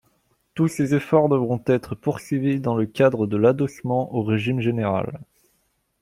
Tous ces efforts devront être poursuivis dans le cadre de l’adossement au régime général.